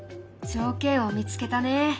条件を見つけたね。